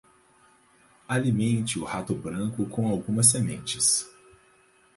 Alimente o rato branco com algumas sementes.